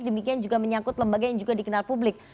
demikian juga menyangkut lembaga yang juga dikenal publik